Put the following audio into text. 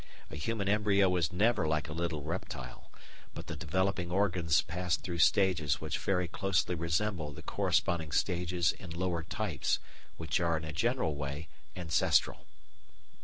A human embryo is never like a little reptile, but the developing organs pass through stages which very closely resemble the corresponding stages in lower types which are in a general way ancestral.